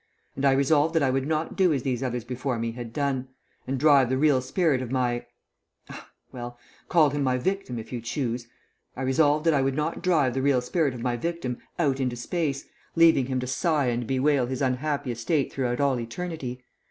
And I resolved that I would not do as these others before me had done, and drive the real spirit of my, ah well, call him my victim if you choose I resolved that I would not drive the real spirit of my victim out into space, leaving him to sigh and bewail his unhappy estate throughout all eternity.